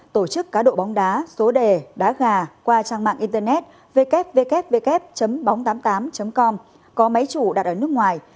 tổ chức cá độ bóng đá số đề đá gà qua trang mạng internet ww tám mươi tám com có máy chủ đặt ở nước ngoài